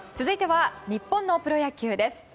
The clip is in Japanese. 続いては、日本のプロ野球です。